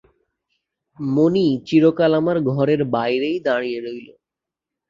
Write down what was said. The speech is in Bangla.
মণি চিরকাল আমার ঘরের বাইরেই দাঁড়িয়ে রইল।